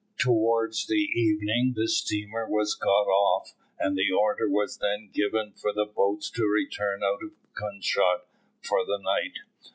Towards the evening the steamer was got off, and the order was then given for the boats to return out of gun shot for the night.